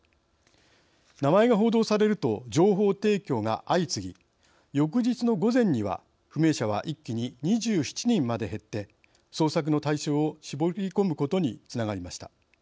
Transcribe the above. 名前が報道されると情報提供が相次ぎ翌日の午前には不明者は一気に２７人まで減って捜索の対象を絞り込むことにつながりました。